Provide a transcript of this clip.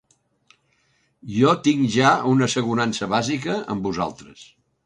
Jo tinc ja una assegurança bàsica amb vosaltres.